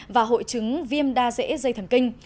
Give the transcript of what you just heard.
và hội chứng viêm đa dễ dây thần kinh